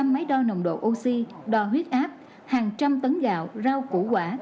năm trăm linh máy đo nồng độ oxy đo huyết áp hàng trăm tấn gạo rau củ quả